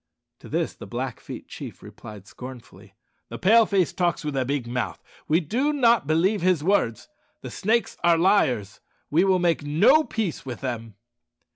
To this the Blackfeet chief replied scornfully, "The Pale face talks with a big mouth. We do not believe his words. The Snakes are liars; we will make no peace with them."